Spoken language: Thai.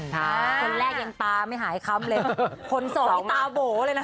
คนแรกยังตามไม่หายคำเลยคนสองยังตาโบห์เลยนะคะ